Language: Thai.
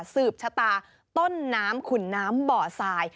สืบฉะตาต้นน้ำขุนน้ำเบาะสาย